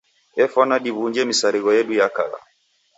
Efwana diw'unje misarigho yedu ya kala.